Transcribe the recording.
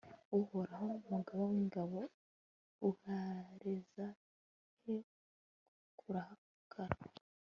uhoraho, mugaba w'ingabo, uzahereza he kurakara